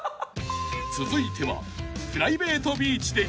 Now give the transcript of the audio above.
［続いては］